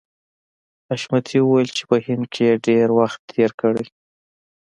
حشمتي وویل چې په هند کې یې ډېر وخت تېر کړی